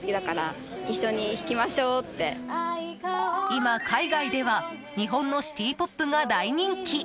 今、海外では日本のシティーポップが大人気。